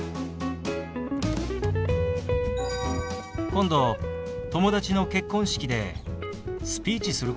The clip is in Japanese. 今度友達の結婚式でスピーチすることになったんだ。